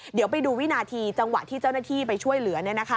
เดี๋ยวไปดูวินาทีจังหวะที่เจ้าหน้าที่ไปช่วยเหลือ